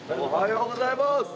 おはようございます。